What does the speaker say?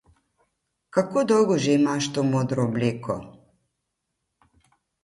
Kako dolgo že imaš to modro obleko?